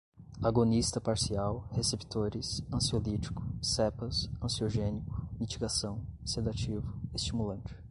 agonista parcial, receptores, ansiolítico, cepas, ansiogênico, mitigação, sedativo, estimulante